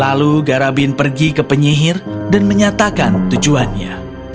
lalu garabin pergi ke penyihir dan menyatakan tujuannya